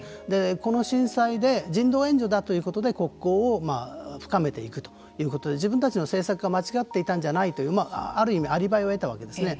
この震災で人道援助だということで国交を深めていくということで自分たちの政策が間違っていたんじゃないというある意味アリバイを得たわけですね。